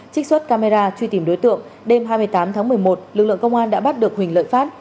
trích xuất camera truy tìm đối tượng đêm hai mươi tám tháng một mươi một lực lượng công an đã bắt được huỳnh lợi phát